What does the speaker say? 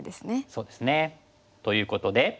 そうですね。ということで。